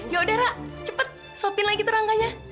yaudah ra cepet sopin lagi terangkanya